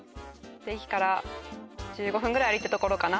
駅から１５分ぐらい歩いたところかな